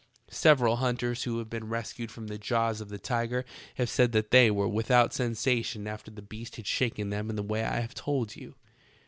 Seyeral hunters who haye been rescued from the jaws of the tiger haye said that they were with out sensation after the beast had shaken them in the way I haye told you.